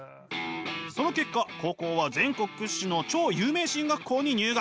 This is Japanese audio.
その結果高校は全国屈指の超有名進学校に入学。